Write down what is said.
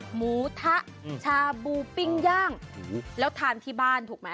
หมูทะชาบูปิ้งย่างแล้วทานที่บ้านถูกไหม